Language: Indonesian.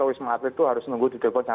kalau wisma atlet itu harus nunggu di dekotnya